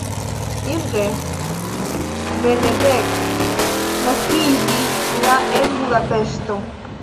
Imre Benedek naskiĝis la en Budapeŝto.